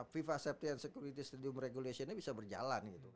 viva safety and security stadium regulation nya bisa berjalan